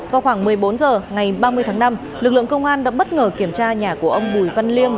vào khoảng một mươi bốn h ngày ba mươi tháng năm lực lượng công an đã bất ngờ kiểm tra nhà của ông bùi văn liêm